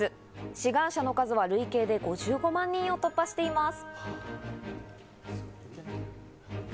志願者の数は累計で５５万人を突破しています。